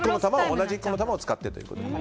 同じ１個の球を使ってということです。